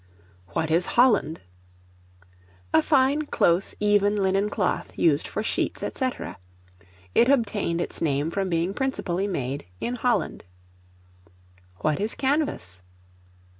What is Holland? A fine, close, even, linen cloth, used for sheets, &c. It obtained its name from being principally made in Holland. What is Canvas?